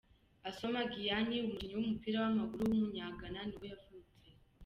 Asamoah Gyan, umukinnyi w’umupira w’amaguru w’umunyagana nibwo yavutse.